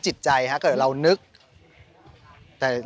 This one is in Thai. ชื่องนี้ชื่องนี้ชื่องนี้ชื่องนี้ชื่องนี้